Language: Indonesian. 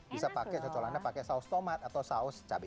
bisa pakai cocokannya pakai saus tomat atau saus cabai